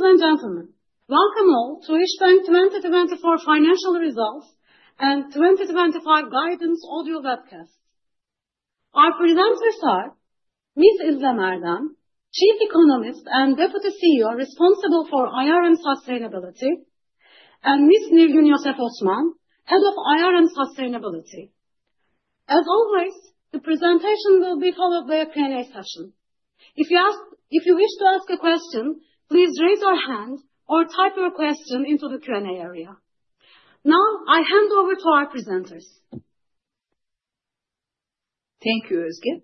Ladies and gentlemen, welcome all to Isbank 2024 Financial Results and 2025 Guidance audio webcast. Our presenters are Ms. İzlem Erdem, Chief Economist and Deputy CEO responsible for IR and sustainability, and Ms. Nilgün Yosef Osman, Head of IR and sustainability. As always, the presentation will be followed by a Q&A session. If you wish to ask a question, please raise your hand or type your question into the Q&A area. Now, I hand over to our presenters. Thank you, Özge.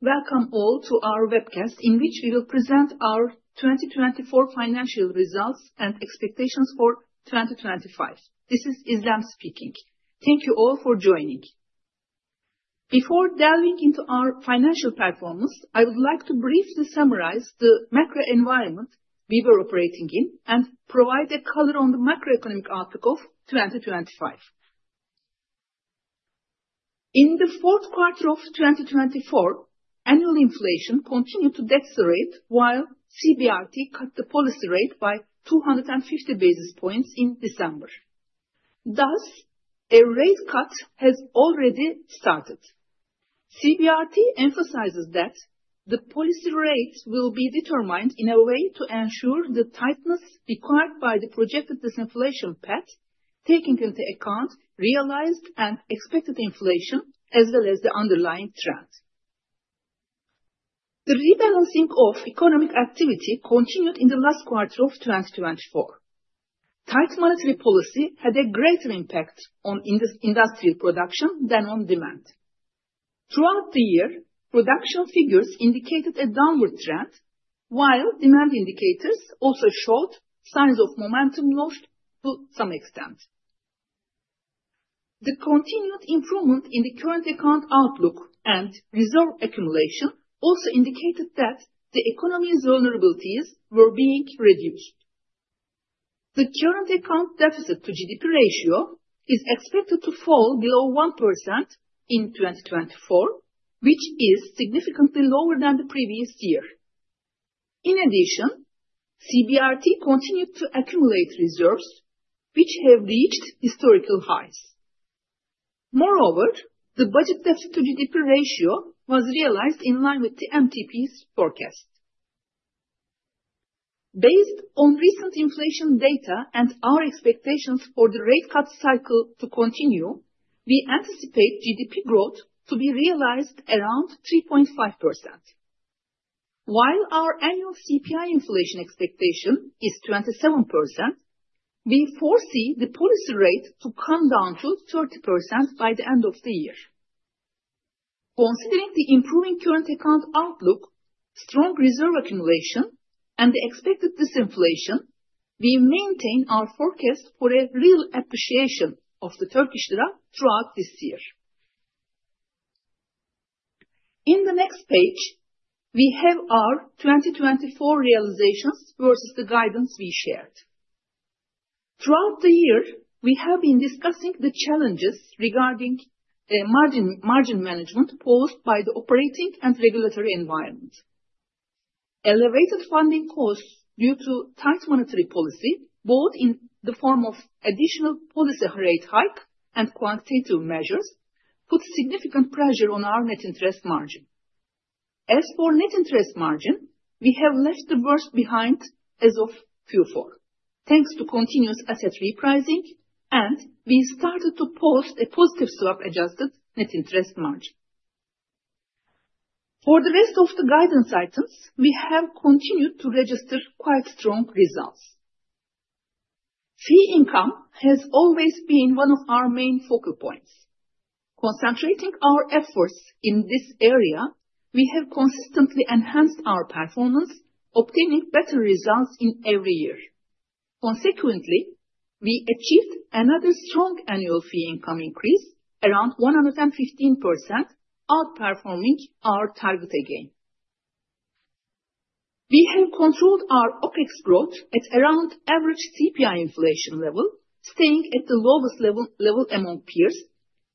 Welcome all to our webcast in which we will present our 2024 financial results and expectations for 2025. This is izlem speaking. Thank you all for joining. Before delving into our financial performance, I would like to briefly summarize the macro environment we were operating in and provide a color on the macroeconomic outlook of 2025. In the fourth quarter of 2024, annual inflation continued to decelerate while CBRT cut the policy rate by 250 basis points in December. Thus, a rate cut has already started. CBRT emphasizes that the policy rate will be determined in a way to ensure the tightness required by the projected disinflation path, taking into account realized and expected inflation, as well as the underlying trend. The rebalancing of economic activity continued in the last quarter of 2024. Tight monetary policy had a greater impact on industrial production than on demand. Throughout the year, production figures indicated a downward trend, while demand indicators also showed signs of momentum loss to some extent. The continued improvement in the current account outlook and reserve accumulation also indicated that the economy's vulnerabilities were being reduced. The current account deficit-to-GDP ratio is expected to fall below 1% in 2024, which is significantly lower than the previous year. In addition, CBRT continued to accumulate reserves, which have reached historical highs. Moreover, the budget deficit-to-GDP ratio was realized in line with the MTP's forecast. Based on recent inflation data and our expectations for the rate cut cycle to continue, we anticipate GDP growth to be realized around 3.5%. While our annual CPI inflation expectation is 27%, we foresee the policy rate to come down to 30% by the end of the year. Considering the improving current account outlook, strong reserve accumulation, and the expected disinflation, we maintain our forecast for a real appreciation of the Turkish lira throughout this year. In the next page, we have our 2024 realizations versus the guidance we shared. Throughout the year, we have been discussing the challenges regarding margin management posed by the operating and regulatory environment. Elevated funding costs due to tight monetary policy, both in the form of additional policy rate hike and quantitative measures, put significant pressure on our net interest margin. As for net interest margin, we have left the worst behind as of Q4, thanks to continuous asset repricing, and we started to post a positive slope-adjusted net interest margin. For the rest of the guidance items, we have continued to register quite strong results. Fee income has always been one of our main focal points. Concentrating our efforts in this area, we have consistently enhanced our performance, obtaining better results in every year. Consequently, we achieved another strong annual fee income increase around 115%, outperforming our target again. We have controlled our OpEx growth at around average CPI inflation level, staying at the lowest level among peers,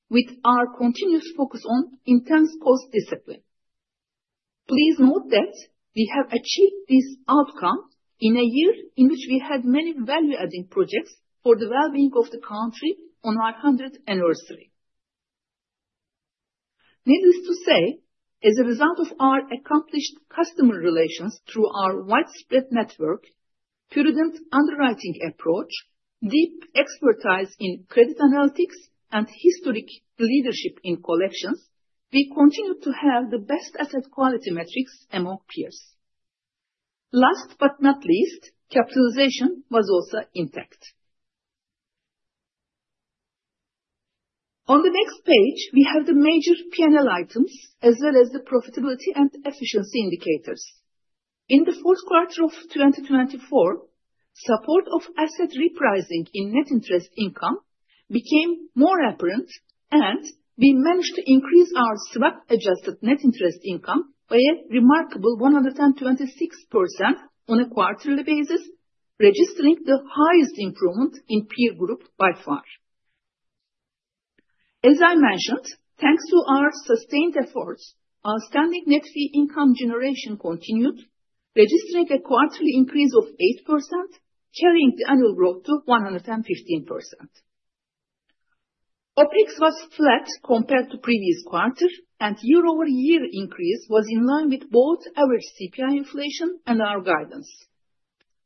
with our continuous focus on intense cost discipline. Please note that we have achieved this outcome in a year in which we had many value-adding projects for the well-being of the country on our 100th anniversary. Needless to say, as a result of our accomplished customer relations through our widespread network, prudent underwriting approach, deep expertise in credit analytics, and historic leadership in collections, we continue to have the best asset quality metrics among peers. Last but not least, capitalization was also intact. On the next page, we have the major P&L items, as well as the profitability and efficiency indicators. In the fourth quarter of 2024, support of asset repricing in net interest income became more apparent, and we managed to increase our slope-adjusted net interest income by a remarkable 126% on a quarterly basis, registering the highest improvement in peer group by far. As I mentioned, thanks to our sustained efforts, our standing net fee income generation continued, registering a quarterly increase of 8%, carrying the annual growth to 115%. OpEx was flat compared to previous quarters, and year-over-year increase was in line with both average CPI inflation and our guidance.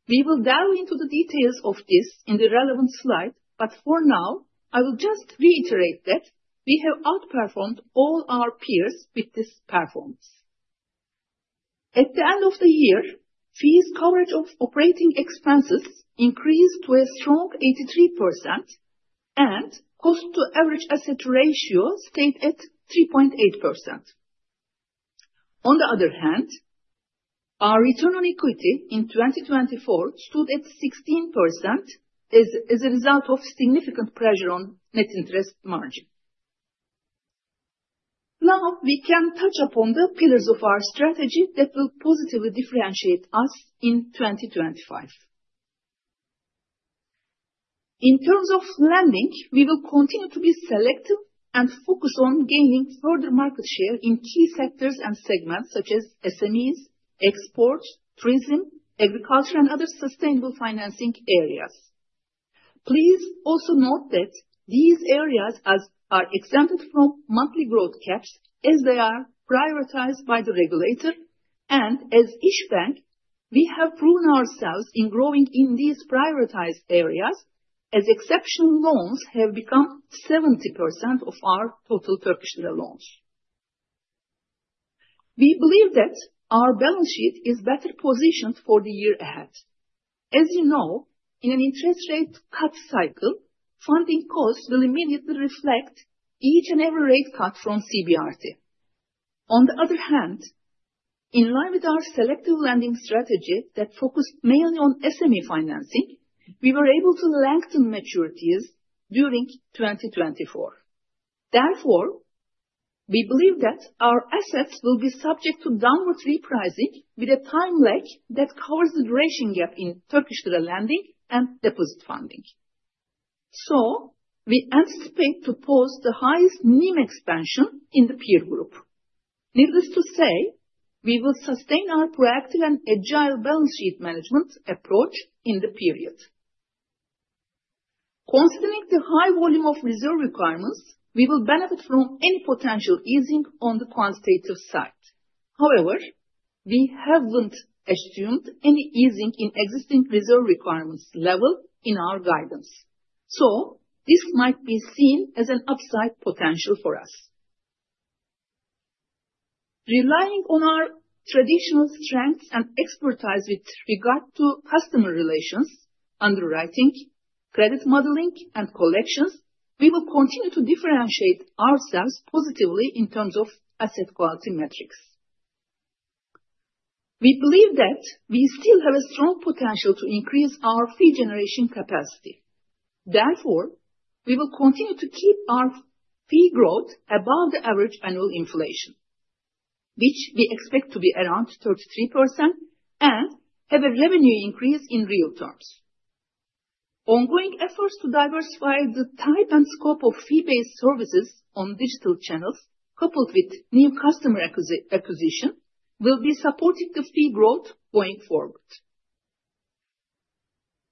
We will delve into the details of this in the relevant slide, but for now, I will just reiterate that we have outperformed all our peers with this performance. At the end of the year, fees coverage of operating expenses increased to a strong 83%, and cost-to-average asset ratio stayed at 3.8%. On the other hand, our return on equity in 2024 stood at 16% as a result of significant pressure on net interest margin. Now, we can touch upon the pillars of our strategy that will positively differentiate us in 2025. In terms of lending, we will continue to be selective and focus on gaining further market share in key sectors and segments such as SMEs, exports, tourism, agriculture, and other sustainable financing areas. Please also note that these areas are exempted from monthly growth caps as they are prioritized by the regulator, and as Isbank, we have proven ourselves in growing in these prioritized areas as export loans have become 70% of our total Turkish lira loans. We believe that our balance sheet is better positioned for the year ahead. As you know, in an interest rate cut cycle, funding costs will immediately reflect each and every rate cut from CBRT. On the other hand, in line with our selective lending strategy that focused mainly on SME financing, we were able to lengthen maturities during 2024. Therefore, we believe that our assets will be subject to downward repricing with a time lag that covers the duration gap in Turkish lira lending and deposit funding. So, we anticipate to post the highest NIM expansion in the peer group. Needless to say, we will sustain our proactive and agile balance sheet management approach in the period. Considering the high volume of reserve requirements, we will benefit from any potential easing on the quantitative side. However, we haven't assumed any easing in existing reserve requirements level in our guidance. So, this might be seen as an upside potential for us. Relying on our traditional strengths and expertise with regard to customer relations, underwriting, credit modeling, and collections, we will continue to differentiate ourselves positively in terms of asset quality metrics. We believe that we still have a strong potential to increase our fee generation capacity. Therefore, we will continue to keep our fee growth above the average annual inflation, which we expect to be around 33%, and have a revenue increase in real terms. Ongoing efforts to diversify the type and scope of fee-based services on digital channels, coupled with new customer acquisition, will be supporting the fee growth going forward.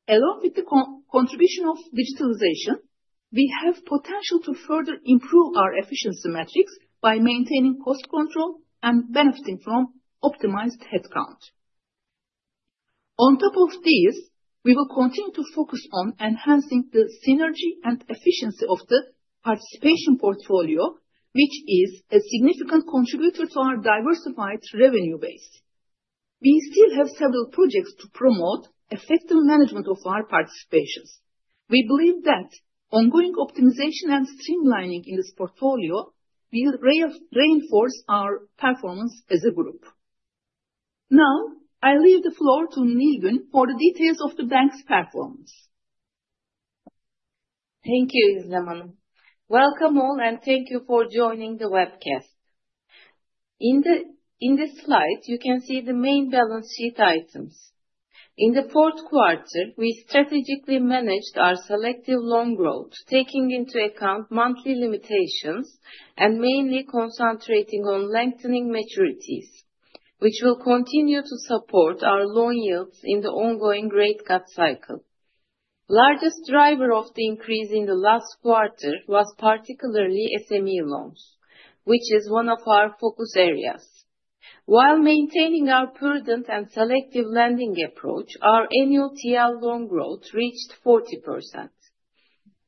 Along with the contribution of digitalization, we have potential to further improve our efficiency metrics by maintaining cost control and benefiting from optimized headcount. On top of these, we will continue to focus on enhancing the synergy and efficiency of the participation portfolio, which is a significant contributor to our diversified revenue base. We still have several projects to promote effective management of our participations. We believe that ongoing optimization and streamlining in this portfolio will reinforce our performance as a group. Now, I leave the floor to Nilgün for the details of the bank's performance. Thank you, İzlem Hanım. Welcome all, and thank you for joining the webcast. In this slide, you can see the main balance sheet items. In the fourth quarter, we strategically managed our selective loan growth, taking into account monthly limitations and mainly concentrating on lengthening maturities, which will continue to support our loan yields in the ongoing rate cut cycle. The largest driver of the increase in the last quarter was particularly SME loans, which is one of our focus areas. While maintaining our prudent and selective lending approach, our annual TL loan growth reached 40%.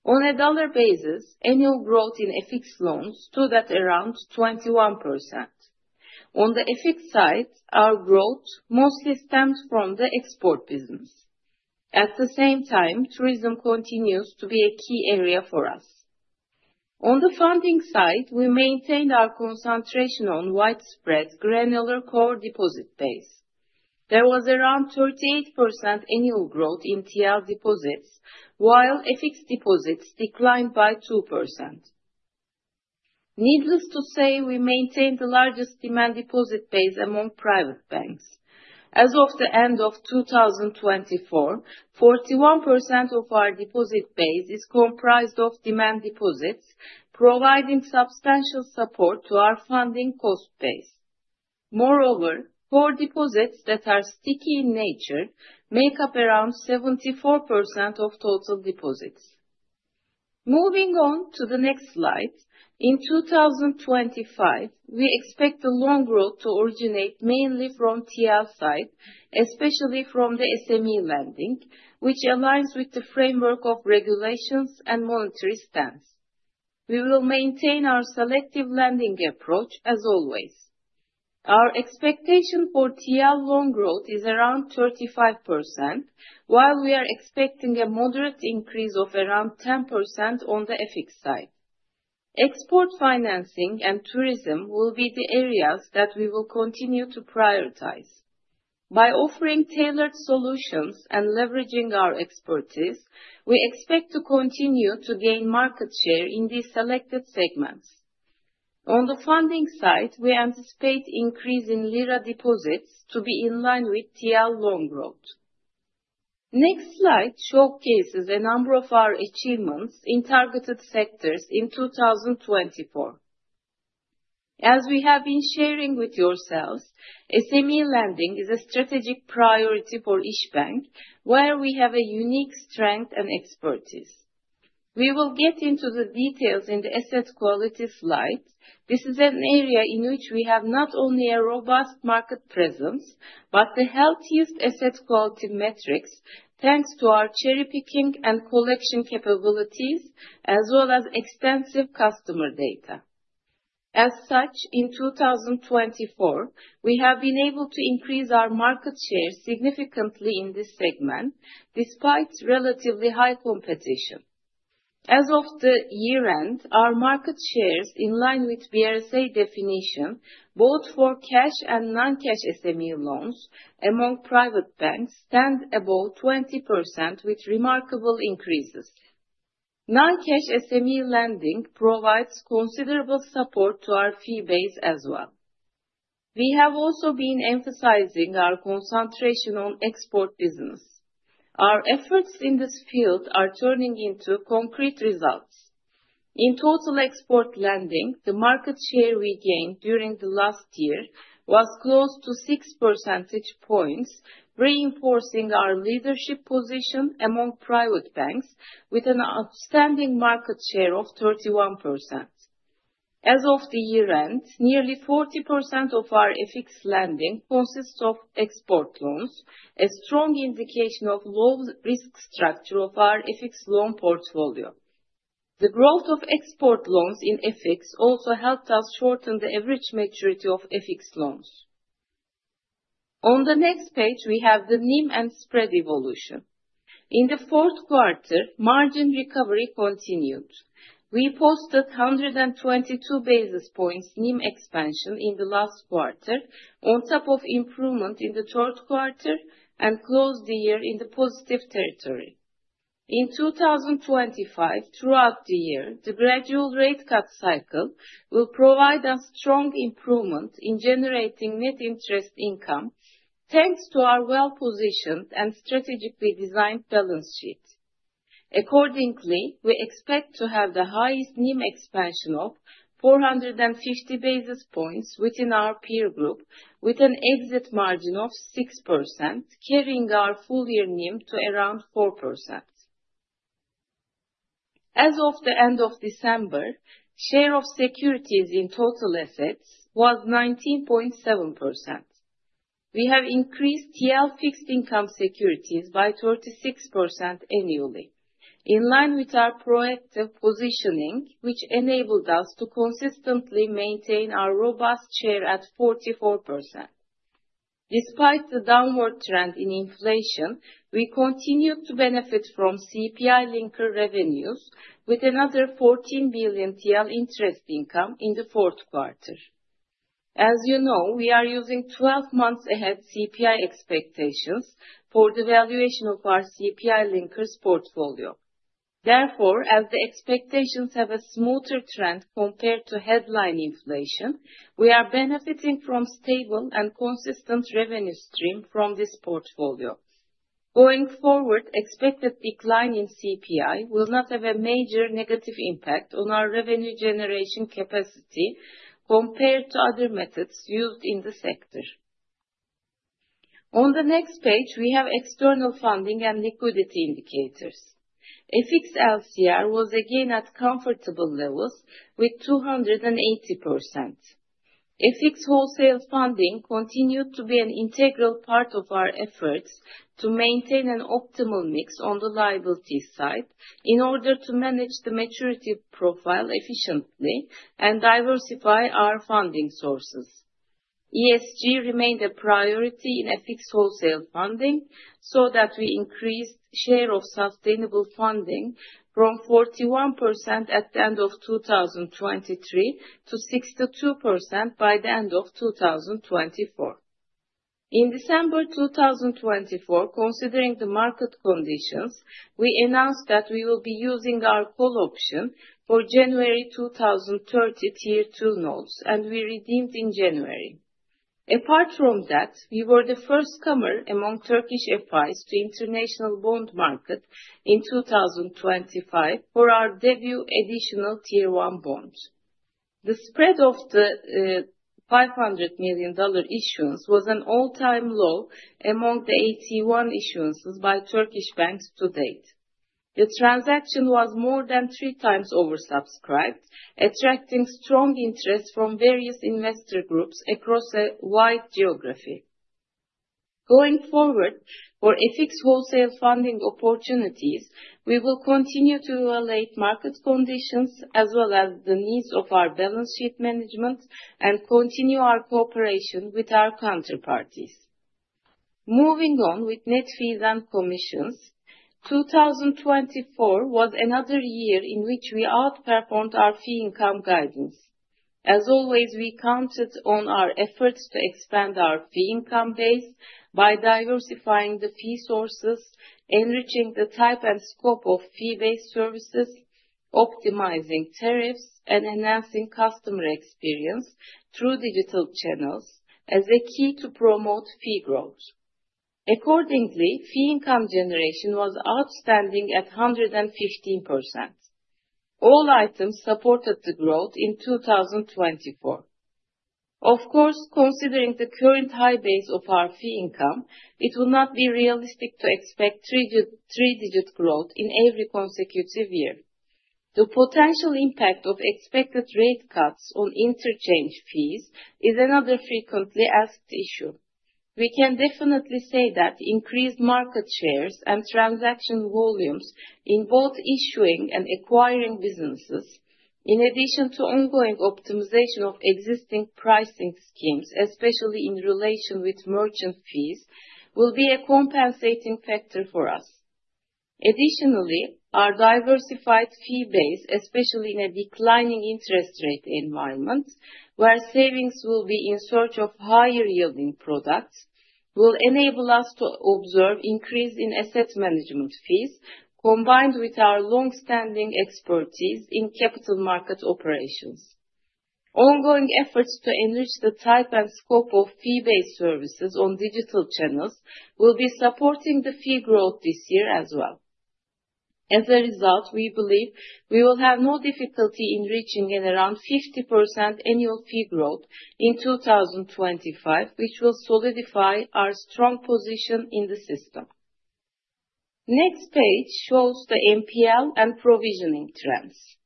On a dollar basis, annual growth in FX loans stood at around 21%. On the FX side, our growth mostly stemmed from the export business. At the same time, tourism continues to be a key area for us. On the funding side, we maintained our concentration on widespread granular core deposit base. There was around 38% annual growth in TL deposits, while FX deposits declined by 2%. Needless to say, we maintained the largest demand deposit base among private banks. As of the end of 2024, 41% of our deposit base is comprised of demand deposits, providing substantial support to our funding cost base. Moreover, core deposits that are sticky in nature make up around 74% of total deposits. Moving on to the next slide, in 2025, we expect the loan growth to originate mainly from TL side, especially from the SME lending, which aligns with the framework of regulations and monetary stance. We will maintain our selective lending approach as always. Our expectation for TL loan growth is around 35%, while we are expecting a moderate increase of around 10% on the FX side. Export financing and tourism will be the areas that we will continue to prioritize. By offering tailored solutions and leveraging our expertise, we expect to continue to gain market share in these selected segments. On the funding side, we anticipate increasing lira deposits to be in line with TL loan growth. The next slide showcases a number of our achievements in targeted sectors in 2024. As we have been sharing with yourselves, SME lending is a strategic priority for Isbank, where we have a unique strength and expertise. We will get into the details in the asset quality slide. This is an area in which we have not only a robust market presence, but the healthiest asset quality metrics, thanks to our cherry-picking and collection capabilities, as well as extensive customer data. As such, in 2024, we have been able to increase our market share significantly in this segment, despite relatively high competition. As of the year-end, our market shares, in line with BRSA definition, both for cash and non-cash SME loans among private banks, stand above 20% with remarkable increases. Non-cash SME lending provides considerable support to our fee base as well. We have also been emphasizing our concentration on export business. Our efforts in this field are turning into concrete results. In total export lending, the market share we gained during the last year was close to 6 percentage points, reinforcing our leadership position among private banks with an outstanding market share of 31%. As of the year-end, nearly 40% of our FX lending consists of export loans, a strong indication of the low-risk structure of our FX loan portfolio. The growth of export loans in FX also helped us shorten the average maturity of FX loans. On the next page, we have the NIM and spread evolution. In the fourth quarter, margin recovery continued. We posted 122 basis points NIM expansion in the last quarter, on top of improvement in the third quarter, and closed the year in positive territory. In 2025, throughout the year, the gradual rate cut cycle will provide a strong improvement in generating net interest income, thanks to our well-positioned and strategically designed balance sheet. Accordingly, we expect to have the highest NIM expansion of 450 basis points within our peer group, with an exit margin of 6%, carrying our full-year NIM to around 4%. As of the end of December, share of securities in total assets was 19.7%. We have increased TL fixed income securities by 36% annually, in line with our proactive positioning, which enabled us to consistently maintain our robust share at 44%. Despite the downward trend in inflation, we continued to benefit from CPI linker revenues with another 14 billion TL interest income in the fourth quarter. As you know, we are using 12 months ahead CPI expectations for the valuation of our CPI linkers portfolio. Therefore, as the expectations have a smoother trend compared to headline inflation, we are benefiting from stable and consistent revenue streams from this portfolio. Going forward, expected decline in CPI will not have a major negative impact on our revenue generation capacity compared to other methods used in the sector. On the next page, we have external funding and liquidity indicators. FX LCR was again at comfortable levels with 280%. FX wholesale funding continued to be an integral part of our efforts to maintain an optimal mix on the liability side in order to manage the maturity profile efficiently and diversify our funding sources. ESG remained a priority in FX wholesale funding so that we increased share of sustainable funding from 41% at the end of 2023 to 62% by the end of 2024. In December 2024, considering the market conditions, we announced that we will be using our call option for January 2030 Tier 2 notes, and we redeemed in January. Apart from that, we were the first comer among Turkish FIs to international bond market in 2025 for our debut Additional Tier 1 bond. The spread of the $500 million issuance was an all-time low among the 81 issuances by Turkish banks to date. The transaction was more than three times oversubscribed, attracting strong interest from various investor groups across a wide geography. Going forward, for FX wholesale funding opportunities, we will continue to evaluate market conditions as well as the needs of our balance sheet management and continue our cooperation with our counterparties. Moving on with net fees and commissions, 2024 was another year in which we outperformed our fee income guidance. As always, we counted on our efforts to expand our fee income base by diversifying the fee sources, enriching the type and scope of fee-based services, optimizing tariffs, and enhancing customer experience through digital channels as a key to promote fee growth. Accordingly, fee income generation was outstanding at 115%. All items supported the growth in 2024. Of course, considering the current high base of our fee income, it will not be realistic to expect three-digit growth in every consecutive year. The potential impact of expected rate cuts on interchange fees is another frequently asked issue. We can definitely say that increased market shares and transaction volumes in both issuing and acquiring businesses, in addition to ongoing optimization of existing pricing schemes, especially in relation with merchant fees, will be a compensating factor for us. Additionally, our diversified fee base, especially in a declining interest rate environment, where savings will be in search of higher-yielding products, will enable us to observe an increase in asset management fees combined with our long-standing expertise in capital market operations. Ongoing efforts to enrich the type and scope of fee-based services on digital channels will be supporting the fee growth this year as well. As a result, we believe we will have no difficulty in reaching around 50% annual fee growth in 2025, which will solidify our strong position in the system. The next page shows the NPL and provisioning trends.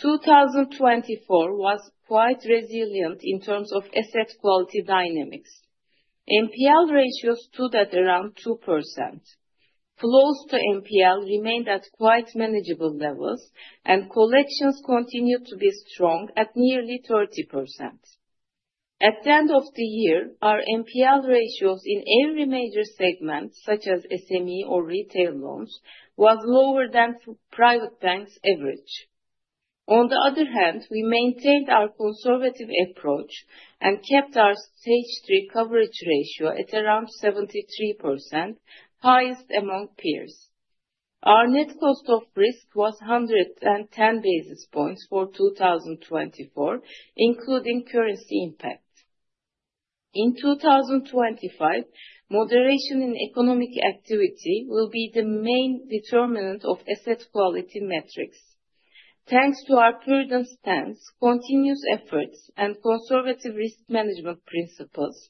2024 was quite resilient in terms of asset quality dynamics. MPL ratios stood at around 2%. Flows to MPL remained at quite manageable levels, and collections continued to be strong at nearly 30%. At the end of the year, our MPL ratios in every major segment, such as SME or retail loans, were lower than private banks' average. On the other hand, we maintained our conservative approach and kept our Stage 3 coverage ratio at around 73%, highest among peers. Our net cost of risk was 110 basis points for 2024, including currency impact. In 2025, moderation in economic activity will be the main determinant of asset quality metrics. Thanks to our prudent stance, continuous efforts, and conservative risk management principles,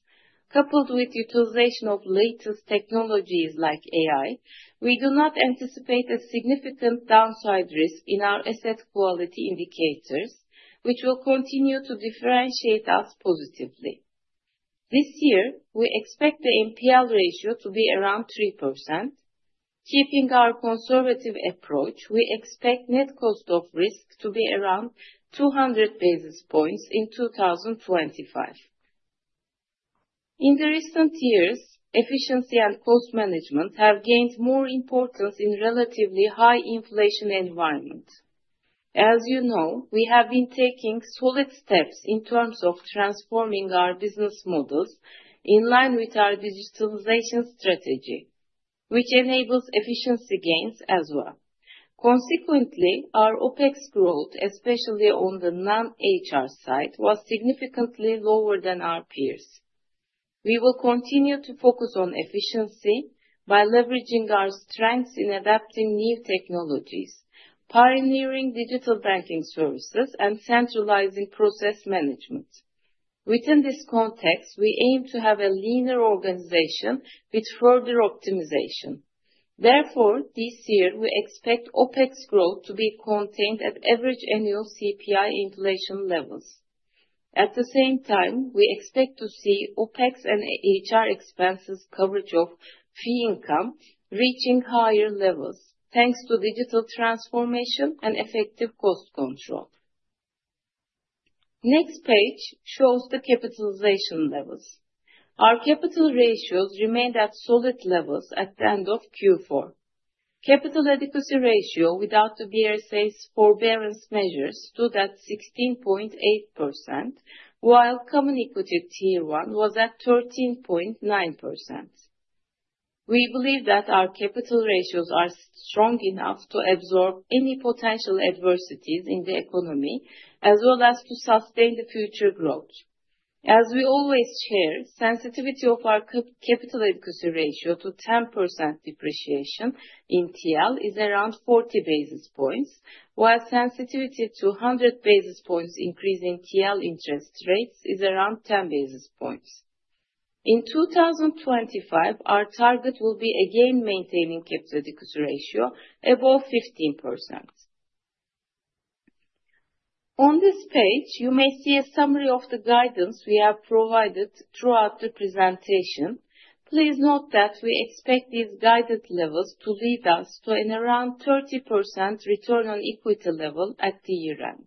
coupled with the utilization of latest technologies like AI, we do not anticipate a significant downside risk in our asset quality indicators, which will continue to differentiate us positively. This year, we expect the MPL ratio to be around 3%. Keeping our conservative approach, we expect net cost of risk to be around 200 basis points in 2025. In the recent years, efficiency and cost management have gained more importance in a relatively high inflation environment. As you know, we have been taking solid steps in terms of transforming our business models in line with our digitalization strategy, which enables efficiency gains as well. Consequently, our OpEx growth, especially on the non-HR side, was significantly lower than our peers. We will continue to focus on efficiency by leveraging our strengths in adapting new technologies, pioneering digital banking services, and centralizing process management. Within this context, we aim to have a leaner organization with further optimization. Therefore, this year, we expect OpEx growth to be contained at average annual CPI inflation levels. At the same time, we expect to see OpEx and HR expenses coverage of fee income reaching higher levels, thanks to digital transformation and effective cost control. The next page shows the capitalization levels. Our capital ratios remained at solid levels at the end of Q4. Capital adequacy ratio, without the BRSA's forbearance measures, stood at 16.8%, while common equity Tier 1 was at 13.9%. We believe that our capital ratios are strong enough to absorb any potential adversities in the economy, as well as to sustain the future growth. As we always share, the sensitivity of our capital adequacy ratio to 10% depreciation in TL is around 40 basis points, while the sensitivity to 100 basis points increase in TL interest rates is around 10 basis points. In 2025, our target will be again maintaining capital adequacy ratio above 15%. On this page, you may see a summary of the guidance we have provided throughout the presentation. Please note that we expect these guided levels to lead us to an around 30% return on equity level at the year-end.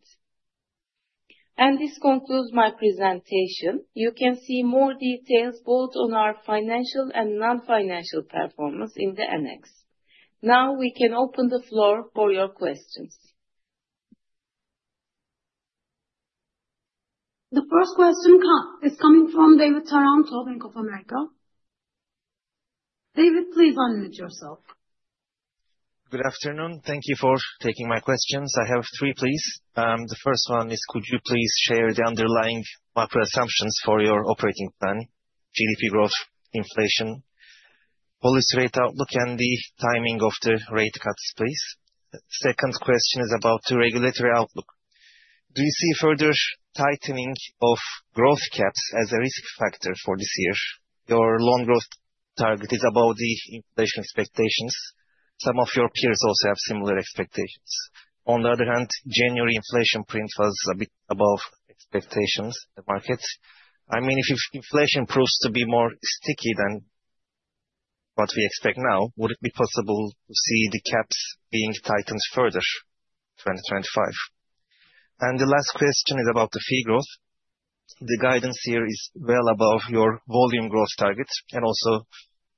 And this concludes my presentation. You can see more details both on our financial and non-financial performance in the annex. Now we can open the floor for your questions. The first question is coming from David Taranto, Bank of America. David, please unmute yourself. Good afternoon. Thank you for taking my questions. I have three, please. The first one is, could you please share the underlying macro assumptions for your operating plan: GDP growth, inflation, policy rate outlook, and the timing of the rate cuts, please? The second question is about the regulatory outlook. Do you see further tightening of growth caps as a risk factor for this year? Your loan growth target is above the inflation expectations. Some of your peers also have similar expectations. On the other hand, January inflation print was a bit above expectations in the markets. I mean, if inflation proves to be more sticky than what we expect now, would it be possible to see the caps being tightened further in 2025? And the last question is about the fee growth. The guidance here is well above your volume growth targets and also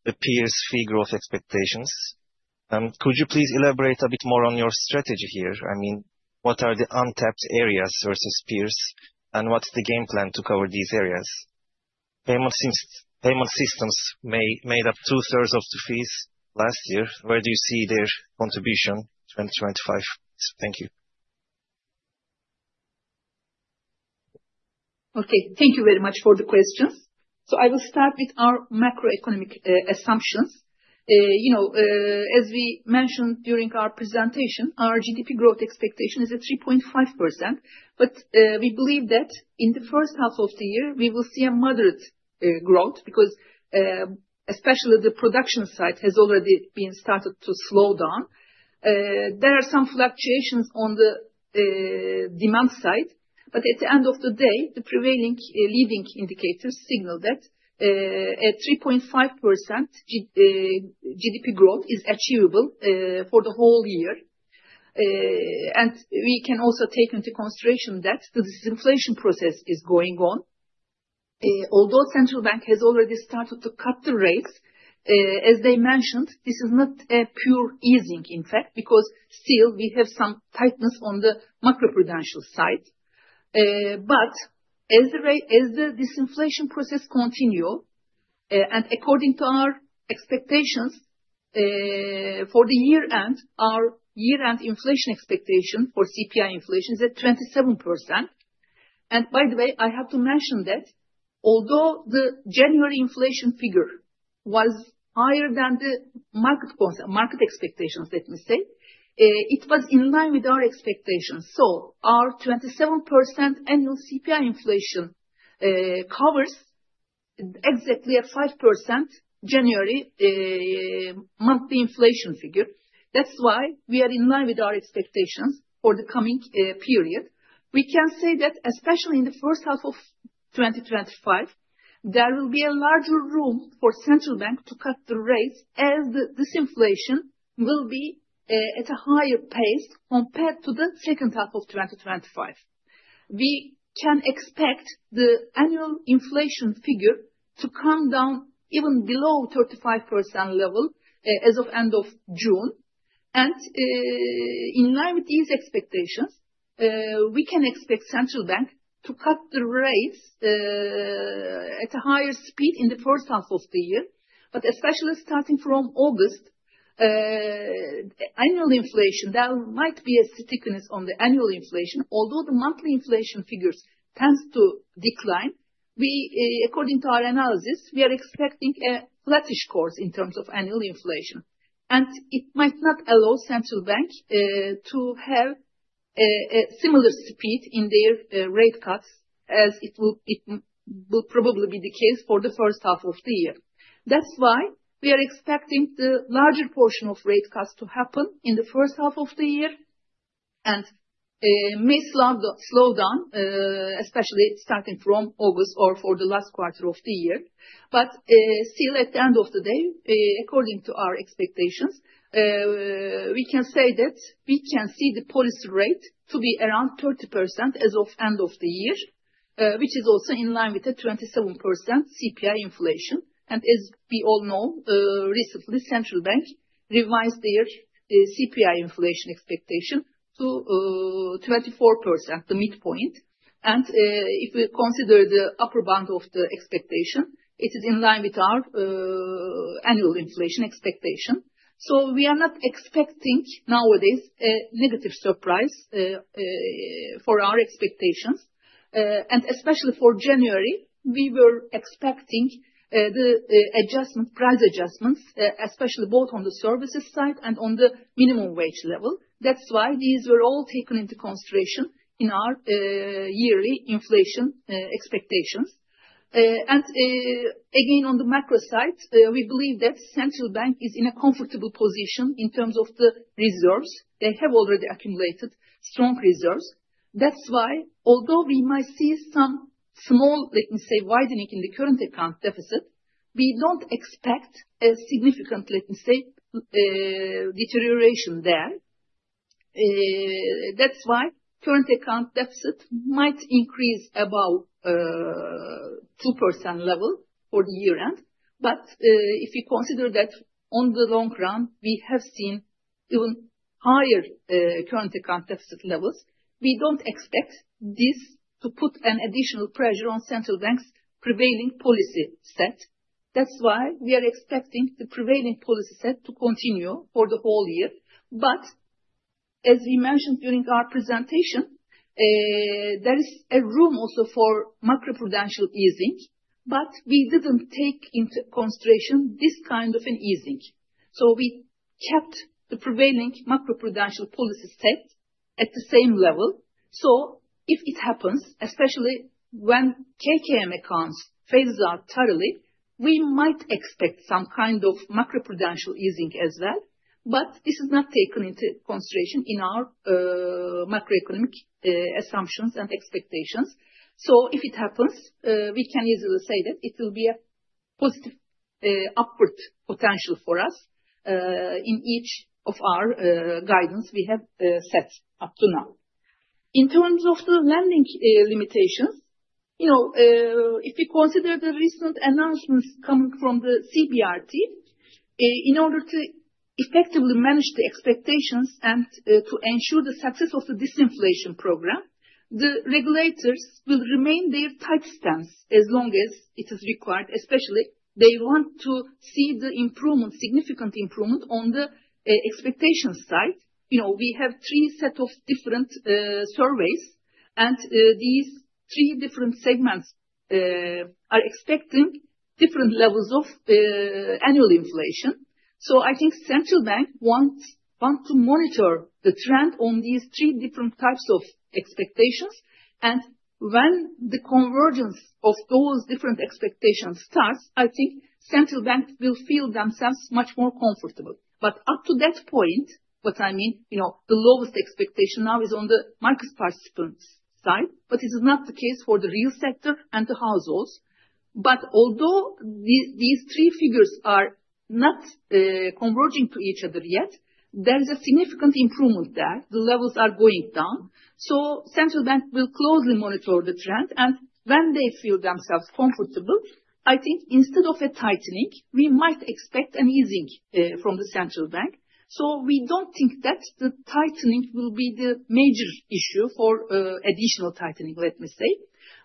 the peers' fee growth expectations. Could you please elaborate a bit more on your strategy here? I mean, what are the untapped areas versus peers, and what's the game plan to cover these areas? Payment systems made up two-thirds of the fees last year. Where do you see their contribution in 2025? Thank you. Okay, thank you very much for the questions. So I will start with our macroeconomic assumptions. You know, as we mentioned during our presentation, our GDP growth expectation is at 3.5%, but we believe that in the first half of the year, we will see a moderate growth because, especially the production side has already been started to slow down. There are some fluctuations on the demand side, but at the end of the day, the prevailing leading indicators signal that a 3.5% GDP growth is achievable for the whole year. And we can also take into consideration that this inflation process is going on. Although the central bank has already started to cut the rates, as they mentioned, this is not a pure easing, in fact, because still we have some tightness on the macroprudential side. But as the disinflation process continues, and according to our expectations for the year-end, our year-end inflation expectation for CPI inflation is at 27%. By the way, I have to mention that although the January inflation figure was higher than the market expectations, let me say, it was in line with our expectations. So our 27% annual CPI inflation covers exactly a five% January monthly inflation figure. That's why we are in line with our expectations for the coming period. We can say that, especially in the first half of 2025, there will be a larger room for the central bank to cut the rates as the disinflation will be at a higher pace compared to the second half of 2025. We can expect the annual inflation figure to come down even below 35% level as of the end of June. In line with these expectations, we can expect the central bank to cut the rates at a higher speed in the first half of the year. Especially starting from August, annual inflation there might be a stickiness on the annual inflation. Although the monthly inflation figures tend to decline, according to our analysis, we are expecting a flattish course in terms of annual inflation. It might not allow the central bank to have a similar speed in their rate cuts, as it will probably be the case for the first half of the year. That's why we are expecting the larger portion of rate cuts to happen in the first half of the year and may slow down, especially starting from August or for the last quarter of the year. Still, at the end of the day, according to our expectations, we can say that we can see the policy rate to be around 30% as of the end of the year, which is also in line with the 27% CPI inflation. And as we all know, recently, the central bank revised their CPI inflation expectation to 24%, the midpoint. And if we consider the upper bound of the expectation, it is in line with our annual inflation expectation. So we are not expecting nowadays a negative surprise for our expectations. And especially for January, we were expecting the price adjustments, especially both on the services side and on the minimum wage level. That's why these were all taken into consideration in our yearly inflation expectations. And again, on the macro side, we believe that the central bank is in a comfortable position in terms of the reserves. They have already accumulated strong reserves. That's why, although we might see some small, let me say, widening in the current account deficit, we don't expect a significant, let me say, deterioration there. That's why the current account deficit might increase above the 2% level for the year-end. But if you consider that on the long run, we have seen even higher current account deficit levels, we don't expect this to put an additional pressure on the central bank's prevailing policy set. That's why we are expecting the prevailing policy set to continue for the whole year. But as we mentioned during our presentation, there is a room also for macroprudential easing, but we didn't take into consideration this kind of an easing. So we kept the prevailing macroprudential policy set at the same level. So if it happens, especially when KKM accounts phase out totally, we might expect some kind of macroprudential easing as well. But this is not taken into consideration in our macroeconomic assumptions and expectations. So if it happens, we can easily say that it will be a positive upward potential for us in each of our guidance we have set up to now. In terms of the lending limitations, you know, if we consider the recent announcements coming from the CBRT, in order to effectively manage the expectations and to ensure the success of the disinflation program, the regulators will maintain their tight stance as long as it is required, especially they want to see the significant improvement on the expectation side. You know, we have three sets of different surveys, and these three different segments are expecting different levels of annual inflation. So I think the central bank wants to monitor the trend on these three different types of expectations, and when the convergence of those different expectations starts, I think the central bank will feel themselves much more comfortable. But up to that point, what I mean, you know, the lowest expectation now is on the market participants' side, but it is not the case for the real sector and the households. But although these three figures are not converging to each other yet, there is a significant improvement there. The levels are going down. So the central bank will closely monitor the trend. And when they feel themselves comfortable, I think instead of a tightening, we might expect an easing from the central bank. So we don't think that the tightening will be the major issue for additional tightening, let me say.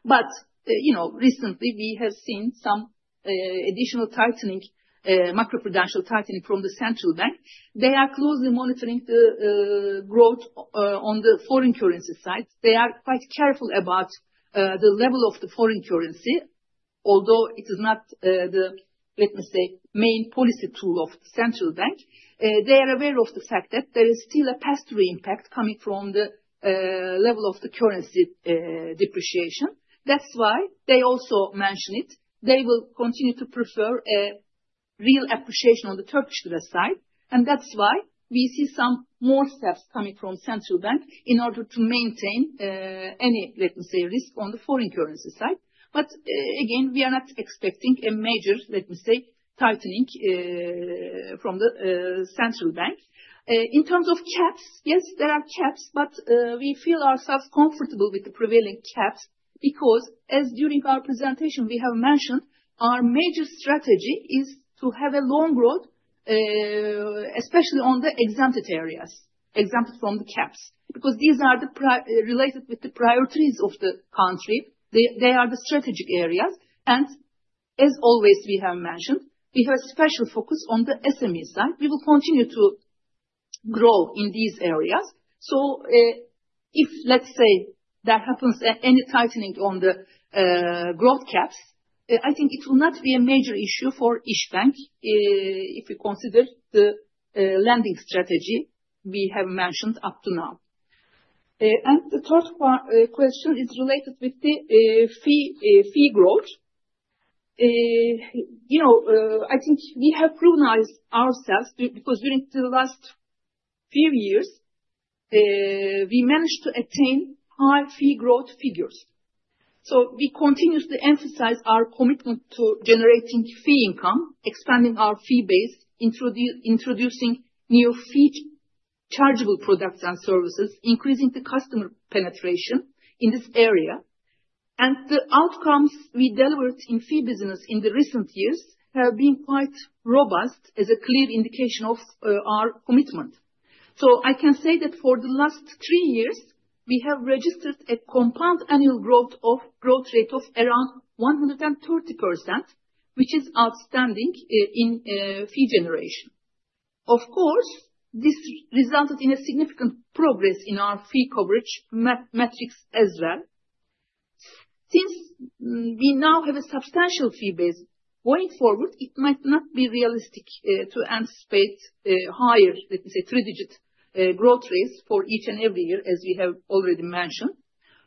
But, you know, recently, we have seen some additional tightening, macroprudential tightening from the central bank. They are closely monitoring the growth on the foreign currency side. They are quite careful about the level of the foreign currency, although it is not the, let me say, main policy tool of the central bank. They are aware of the fact that there is still a pass-through impact coming from the level of the currency depreciation. That's why they also mention it. They will continue to prefer a real appreciation on the Turkish lira side. And that's why we see some more steps coming from the central bank in order to maintain any, let me say, risk on the foreign currency side. But again, we are not expecting a major, let me say, tightening from the central bank. In terms of caps, yes, there are caps, but we feel ourselves comfortable with the prevailing caps because, as during our presentation, we have mentioned, our major strategy is to have a long road, especially on the exempted areas, exempted from the caps, because these are related with the priorities of the country. They are the strategic areas, and as always, we have mentioned, we have a special focus on the SME side. We will continue to grow in these areas, so if, let's say, there happens any tightening on the growth caps, I think it will not be a major issue for Isbank if we consider the lending strategy we have mentioned up to now, and the third question is related with the fee growth. You know, I think we have proven ourselves because during the last few years, we managed to attain high fee growth figures. So we continuously emphasize our commitment to generating fee income, expanding our fee base, introducing new fee chargeable products and services, increasing the customer penetration in this area. And the outcomes we delivered in fee business in the recent years have been quite robust as a clear indication of our commitment. So I can say that for the last three years, we have registered a compound annual growth rate of around 130%, which is outstanding in fee generation. Of course, this resulted in a significant progress in our fee coverage metrics as well. Since we now have a substantial fee base, going forward, it might not be realistic to anticipate higher, let me say, three-digit growth rates for each and every year, as we have already mentioned.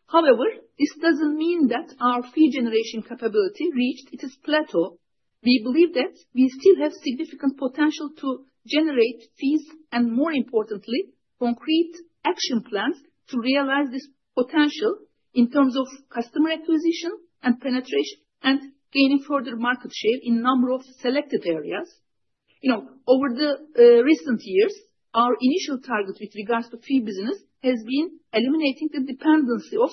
However, this doesn't mean that our fee generation capability reached its plateau. We believe that we still have significant potential to generate fees and, more importantly, concrete action plans to realize this potential in terms of customer acquisition and penetration and gaining further market share in a number of selected areas. You know, over the recent years, our initial target with regards to fee business has been eliminating the dependency of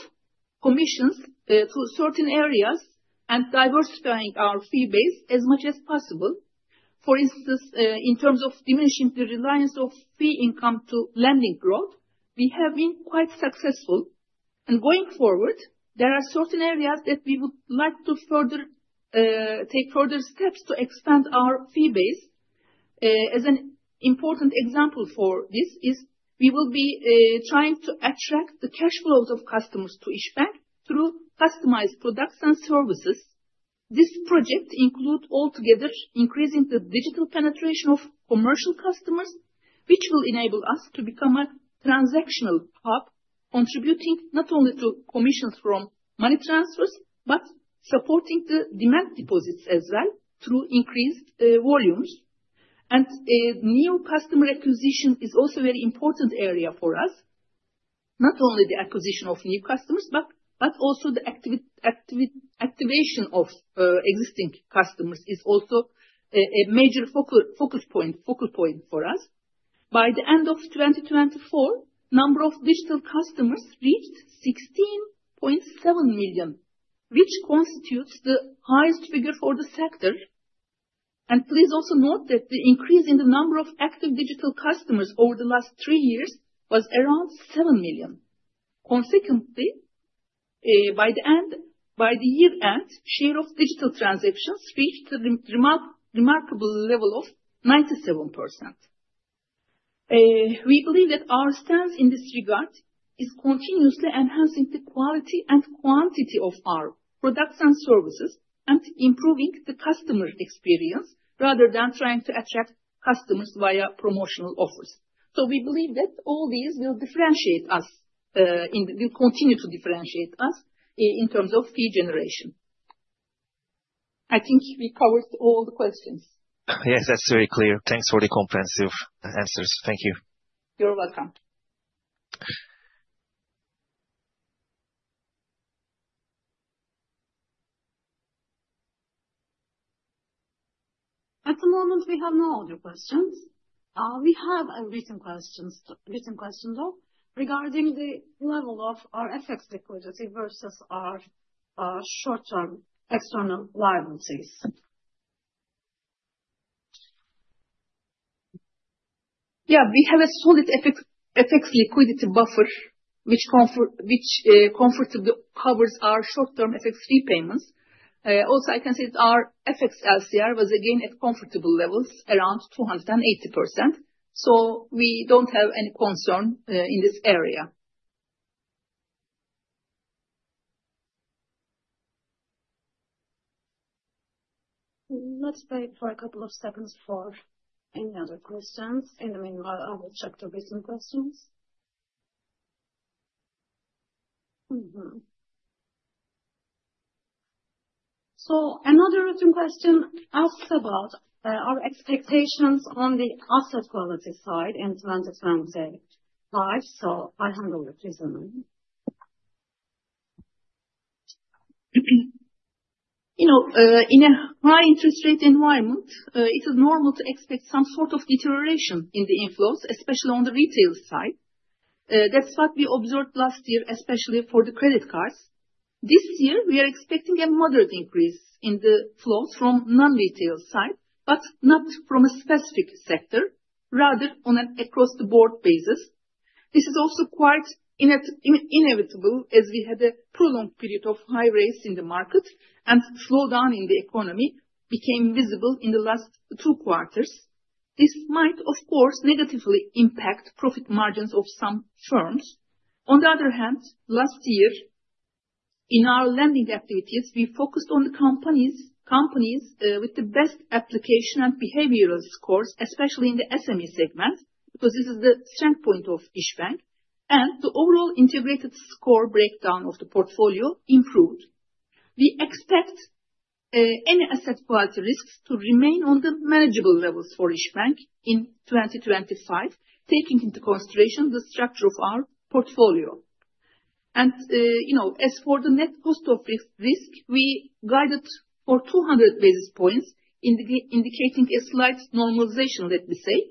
commissions to certain areas and diversifying our fee base as much as possible. For instance, in terms of diminishing the reliance of fee income to lending growth, we have been quite successful. And going forward, there are certain areas that we would like to take further steps to expand our fee base. As an important example for this is we will be trying to attract the cash flows of customers to Isbank through customized products and services. This project includes altogether increasing the digital penetration of commercial customers, which will enable us to become a transactional hub, contributing not only to commissions from money transfers, but supporting the demand deposits as well through increased volumes, and new customer acquisition is also a very important area for us. Not only the acquisition of new customers, but also the activation of existing customers is also a major focal point for us. By the end of 2024, the number of digital customers reached 16.7 million, which constitutes the highest figure for the sector, and please also note that the increase in the number of active digital customers over the last three years was around 7 million. Consequently, by the year-end, the share of digital transactions reached a remarkable level of 97%. We believe that our stance in this regard is continuously enhancing the quality and quantity of our products and services and improving the customer experience rather than trying to attract customers via promotional offers. So we believe that all these will differentiate us, will continue to differentiate us in terms of fee generation. I think we covered all the questions. Yes, that's very clear. Thanks for the comprehensive answers. Thank you. You're welcome. At the moment, we have no other questions. We have a written question though regarding the level of our FX liquidity versus our short-term external liabilities. Yeah, we have a solid FX liquidity buffer, which comfortably covers our short-term FX repayments. Also, I can say that our FX LCR was again at comfortable levels, around 280%. So we don't have any concern in this area. Let's wait for a couple of seconds for any other questions. In the meanwhile, I will check the written questions, so another written question asks about our expectations on the asset quality side in 2025, so I handle the present. You know, in a high interest rate environment, it is normal to expect some sort of deterioration in the inflows, especially on the retail side. That's what we observed last year, especially for the credit cards. This year, we are expecting a moderate increase in the flows from the non-retail side, but not from a specific sector, rather on an across-the-board basis. This is also quite inevitable as we had a prolonged period of high rates in the market and slowdown in the economy became visible in the last two quarters. This might, of course, negatively impact profit margins of some firms. On the other hand, last year, in our lending activities, we focused on the companies with the best application and behavioral scores, especially in the SME segment, because this is the strong point of Isbank, and the overall integrated score breakdown of the portfolio improved. We expect any asset quality risks to remain on the manageable levels for Isbank in 2025, taking into consideration the structure of our portfolio. And, you know, as for the net cost of risk, we guided for 200 basis points, indicating a slight normalization, let me say.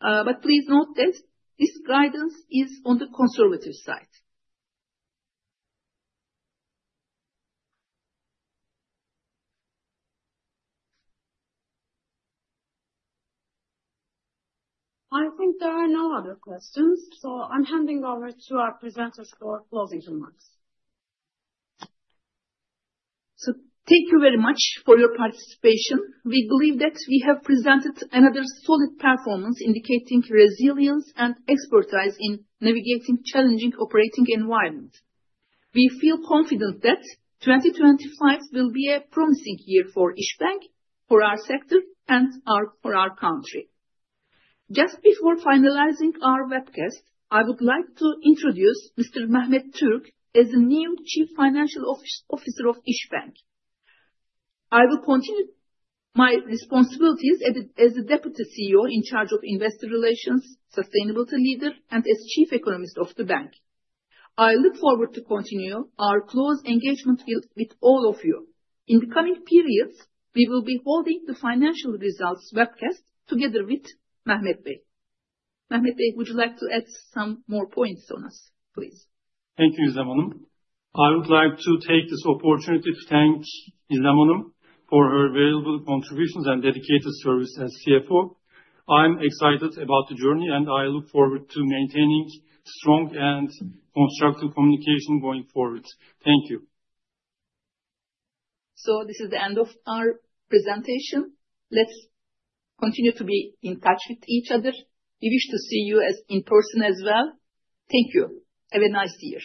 But please note that this guidance is on the conservative side. I think there are no other questions. So I'm handing over to our presenters for closing remarks. So thank you very much for your participation. We believe that we have presented another solid performance indicating resilience and expertise in navigating challenging operating environments. We feel confident that 2025 will be a promising year for Isbank, for our sector, and for our country. Just before finalizing our webcast, I would like to introduce Mr. Mehmet Türk as the new Chief Financial Officer of Isbank. I will continue my responsibilities as a Deputy CEO in charge of investor relations, sustainability leader, and as Chief Economist of the bank. I look forward to continuing our close engagement with all of you. In the coming periods, we will be holding the financial results webcast together with Mehmet Bey. Mehmet Bey, would you like to add some more points on us, please? Thank you, Nilgün Hanım. I would like to take this opportunity to thank Nilgün Hanım for her valuable contributions and dedicated service as CFO. I'm excited about the journey, and I look forward to maintaining strong and constructive communication going forward. Thank you. So this is the end of our presentation. Let's continue to be in touch with each other. We wish to see you in person as well. Thank you. Have a nice year.